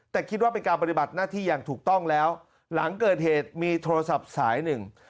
แต่คิดว่าเป็นการปฏิบัติหน้าที่อย่างถูกต้องแล้วหลังเกิดเหตุมีโทรศัพท์สายหนึ่ง